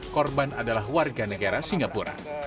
korban adalah warga negara singapura